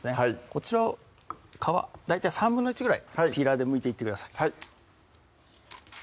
こちらを皮大体１／３ぐらいピーラーでむいていってください